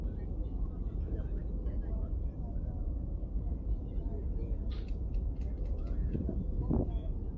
tu kila mahali duniani Waanglikana Walutheri Wamoravia na wengineo